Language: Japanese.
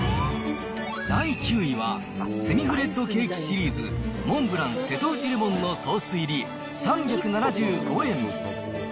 第９位は、セミフレッドケーキシリーズ、モンブラン瀬戸内レモンのソース入り３７５円。